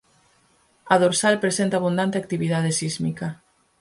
A dorsal presenta abundante actividade sísmica.